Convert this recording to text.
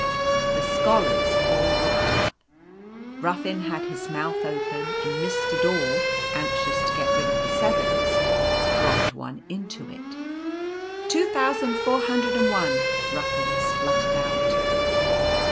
The Scholars all looked up ; Ruffin had his mouth open, and Mr. Daw, anxious to get rid of the Sevens, dropped one into it. " Two thousand ihree, hundred and one," Ruffin spluttered out.